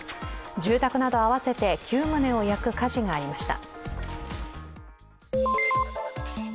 住宅など合わせて９棟を焼く火事がありました。